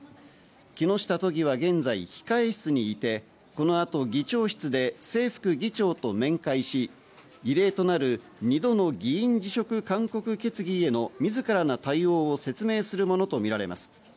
木下都議は現在、控え室にいてこの後、議長室で正副議長と面会し、２度の議員辞職勧告決議への自らの対応を説明するものとみられます。